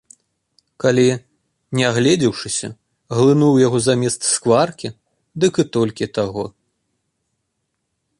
Калі, не агледзеўшыся, глынуў яго замест скваркі, дык і толькі таго.